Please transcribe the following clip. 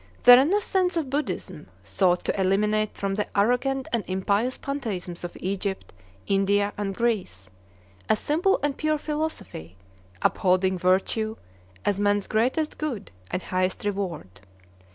The renascence of Buddhism sought to eliminate from the arrogant and impious pantheisms of Egypt, India, and Greece a simple and pure philosophy, upholding virtue as man's greatest good and highest reward.